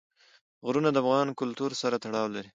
غرونه د افغان کلتور سره تړاو لري.